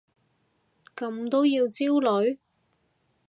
咁都要焦慮？